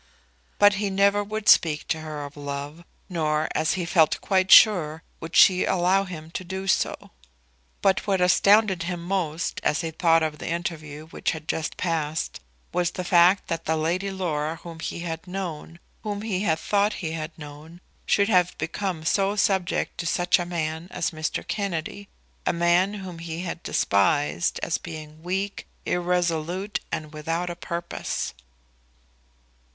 But he never would speak to her of love; nor, as he felt quite sure, would she allow him to do so. But what astounded him most as he thought of the interview which had just passed, was the fact that the Lady Laura whom he had known, whom he had thought he had known, should have become so subject to such a man as Mr. Kennedy, a man whom he had despised as being weak, irresolute, and without a purpose!